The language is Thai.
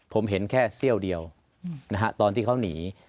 ผมเห็นแค่เสี้ยวเดียวตอนที่เขาหนี